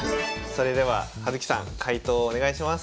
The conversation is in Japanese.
それでは葉月さん解答お願いします。